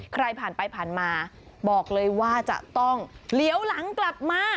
ใครผ่านไปผ่านมาบอกเลยว่าจะต้องเหลียวหลังกลับมา